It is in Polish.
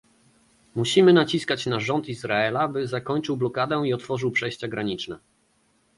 Musimy naciskać na rząd Izraela, by zakończył blokadę i otworzył przejścia graniczne